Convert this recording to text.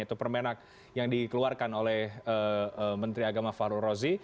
itu permenak yang dikeluarkan oleh menteri agama farul rozi